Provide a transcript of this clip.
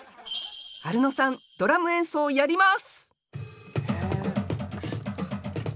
アルノさんドラム演奏やります！